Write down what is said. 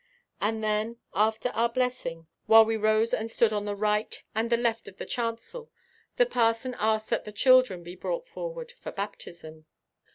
And then, after our blessing, while we rose and stood on the right and the left of the chancel the parson asked that the children be brought forward for baptism.